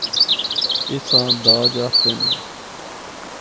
اس آں داج آخدے نے۔